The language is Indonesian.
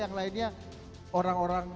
yang lainnya orang orang